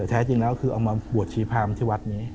แท้จริงแล้วคือเอามาบวชชีพรามที่วัดนี้